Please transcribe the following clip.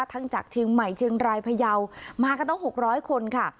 จากเชียงใหม่เชียงรายพยาวมากันต้อง๖๐๐คนค่ะ